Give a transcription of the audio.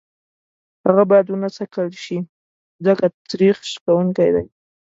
هغه باید ونه څکل شي ځکه تخریش کوونکي دي.